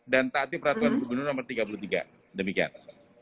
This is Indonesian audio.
taati peraturan gubernur nomor tiga puluh tiga demikian